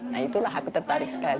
nah itulah aku tertarik sekali